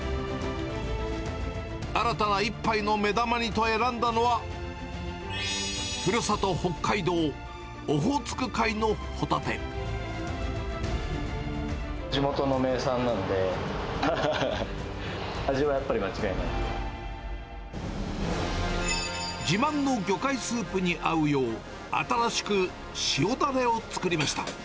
新たな一杯の目玉にと選んだのは、ふるさと、地元の名産なので、自慢の魚介スープに合うよう、新しく塩だれを作りました。